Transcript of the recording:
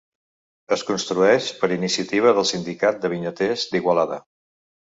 Es construeix per iniciativa del Sindicat de Vinyaters d'Igualada.